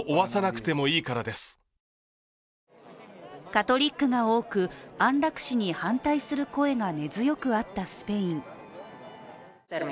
カトリックが多く安楽死に反対する声が根強くあったスペイン。